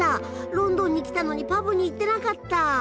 ロンドンに来たのにパブに行ってなかった！